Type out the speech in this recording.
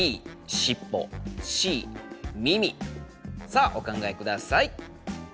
さあお考えください。